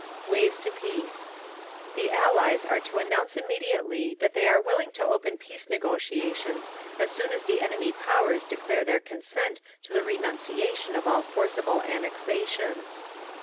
Ways to Peace The Allies are to announce immediately that they are willing to open peace negotiations as soon as the enemy powers declare their consent to the renunciation of all forcible annexations.